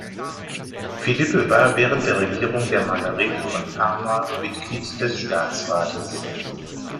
Philippe war während der Regierung der Margarete von Parma Mitglied des Staatsrates.